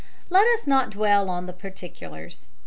Let us not dwell on the particulars.